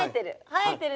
生えてる。